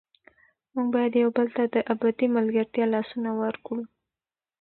موږ باید یو بل ته د ابدي ملګرتیا لاسونه ورکړو.